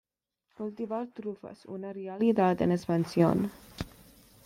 Cultivar Trufas, una realidad en expansión.